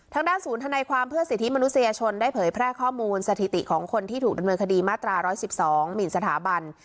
ทางด้านศูนย์ธนายความเพื่อสิทธิมนุษยชนได้เผยแพร่ข้อมูลสถิติของคนที่ถูกดำเนินคดีมาตรา๑๑๒หมินสถาบัน